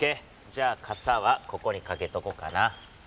じゃあカサはここにかけとこっかな。